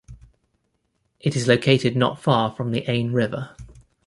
It is located not far from the Ain River.